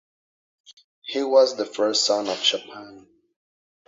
He was the first son of Chupan.